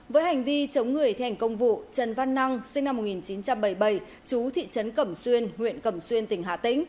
với hành vi chống người thi hành công vụ trần văn năng sinh năm một nghìn chín trăm bảy mươi bảy chú thị trấn cẩm xuyên huyện cẩm xuyên tỉnh hà tĩnh